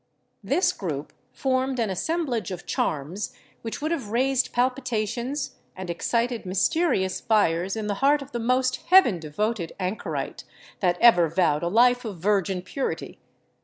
This group formed an assemblage of charms which would have raised palpitations and excited mysterious fires in the heart of the most heaven devoted anchorite that ever vowed a life of virgin purity.